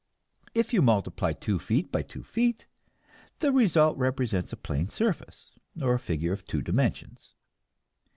If you multiply two feet by two feet, the result represents a plain surface, or figure of two dimensions.